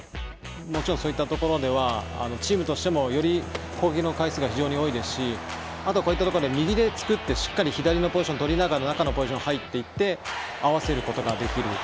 もちろんそういったところではチームとしてもより攻撃の回数が非常に多いですしあとはこういったところで右で作ってしっかり左のポジションを取りながら中のポジションに入っていって合わせることができる。